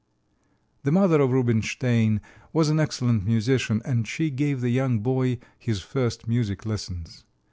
The mother of Rubinstein was an excellent musician, and she gave the young boy his first music lessons.